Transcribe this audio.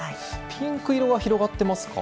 ピンク色が広がっていますか。